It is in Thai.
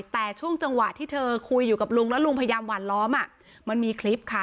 แต่ช่วงจังหวะที่เธอคุยอยู่กับลุงแล้วลุงพยายามหวานล้อมมันมีคลิปค่ะ